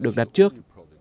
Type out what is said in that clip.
và được đặt trước